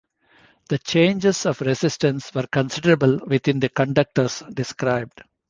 The changes of resistance were considerable with the conductors described.